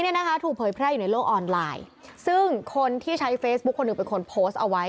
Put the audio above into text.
เนี่ยนะคะถูกเผยแพร่อยู่ในโลกออนไลน์ซึ่งคนที่ใช้เฟซบุ๊คคนหนึ่งเป็นคนโพสต์เอาไว้